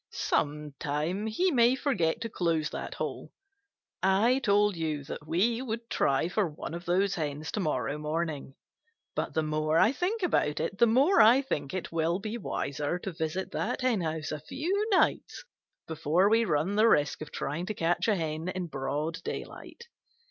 Sometime he may forget to close that hole. I told you that we would try for one of those hens to morrow morning, but the more I think about it, the more I think it will be wiser to visit that henhouse a few nights before we run the risk of trying to catch a hen in broad daylight.